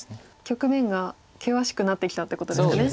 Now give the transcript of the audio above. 局面が険しくなってきたということですかね。